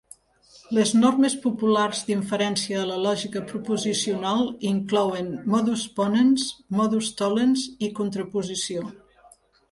Les normes populars d"inferència a la lògica proposicional inclouen "modus ponens", "modus tollens" i contraposició.